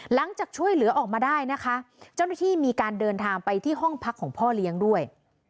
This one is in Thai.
หลังจากช่วยเหลือออกมาได้นะคะเจ้าหน้าที่มีการเดินทางไปที่ห้องพักของพ่อเลี้ยงด้วย